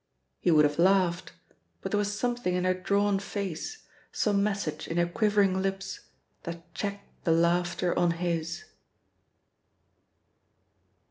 He would have laughed, but there was something in her drawn face, some message in her quivering lips, that checked the laughter on his.